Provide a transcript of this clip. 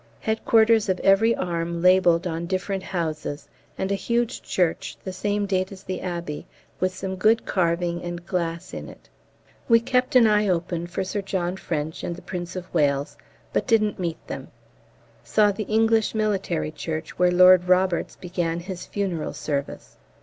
Headquarters of every arm labelled on different houses, and a huge church the same date as the Abbey, with some good carving and glass in it. We kept an eye open for Sir J.F. and the P. of W., but didn't meet them. Saw the English military church where Lord Roberts began his funeral service.